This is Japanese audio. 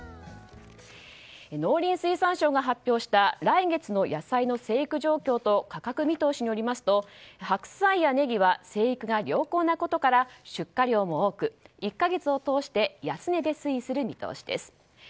農林水産省が発表した来月の野菜の生育状況と価格見通しによりますと白菜やネギは生育が良好なことから出荷量も多く１か月を通して安値で推移する見通しです。